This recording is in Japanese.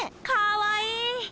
かわいい！